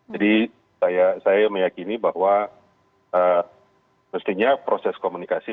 jadi saya meyakini bahwa mestinya proses komunikasi